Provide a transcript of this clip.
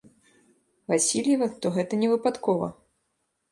Васільева, то гэта не выпадкова.